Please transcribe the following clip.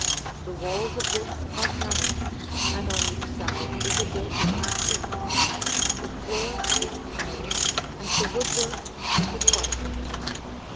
The walls of this are paneled, and on each side is a built in seat. The floor is tiled, and the woodwork painted white.